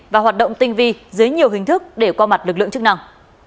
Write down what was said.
và hoạt động tinh vi dưới nhiều hình thức để qua mặt lực lượng chức năng